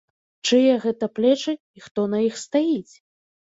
Чые гэта плечы і хто на іх стаіць?